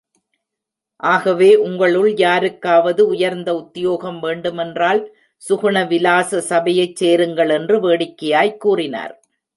ஆகவே உங்களுள் யாருக்காவது உயர்ந்த உத்யோகம் வேண்டுமென்றால், சுகுண விலாச சபையைச் சேருங்கள்! என்று வேடிக்கையாய்க் கூறினார்.